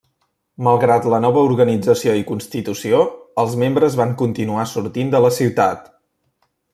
Malgrat la nova organització i constitució, els membres van continuar sortint de la ciutat.